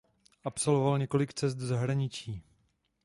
Absolvoval několik cest do zahraničí.